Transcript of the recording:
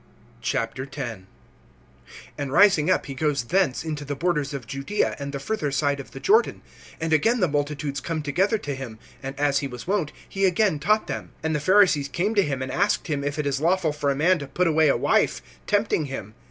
X. AND rising up he goes thence into the borders of Judaea, and the further side of the Jordan. And again the multitudes come together to him; and as he was wont, he again taught them. (2)And the Pharisees came to him, and asked him, if it is lawful for a man to put away a wife, tempting him.